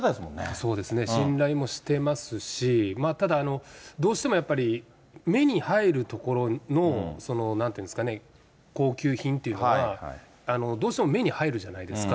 そうですね、信頼もしてますし、ただ、どうしてもやっぱり目に入る所の、なんて言うんですかね、高級品というのがどうしても目に入るじゃないですか。